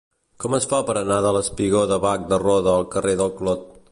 Com es fa per anar del espigó de Bac de Roda al carrer del Clot?